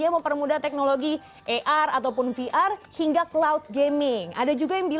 apa yang terjadi